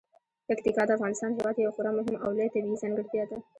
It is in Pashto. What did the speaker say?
پکتیکا د افغانستان هیواد یوه خورا مهمه او لویه طبیعي ځانګړتیا ده.